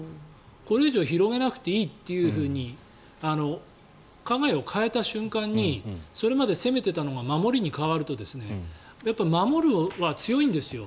これ以上広げなくていいというふうに考えを変えた瞬間にそれまで攻めていたのが守りに変わると守りは強いんですよ。